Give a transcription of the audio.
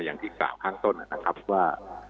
อย่างที่กล่าวข้างต้นนะครับว่า